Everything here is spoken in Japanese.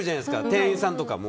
店員さんとかも。